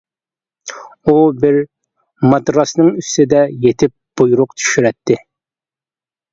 ئۇ بىر ماتراسنىڭ ئۈستىدە يېتىپ بۇيرۇق چۈشۈرەتتى.